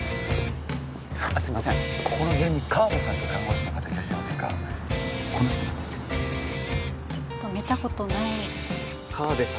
ここの病院にカワベさんって看護師の方いらっしゃいませんかこの人なんですけどちょっと見たことないですね